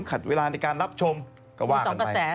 ขัดเวลาในการรับชมก็ว่ากันไปมีสองกระแส